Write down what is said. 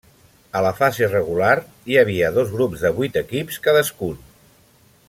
A la fase regular hi havia dos grups de vuit equips cadascun.